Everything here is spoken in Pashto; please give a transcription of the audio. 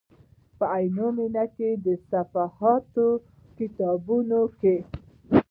په عینومېنه کې د صحاف په کتابتون کې.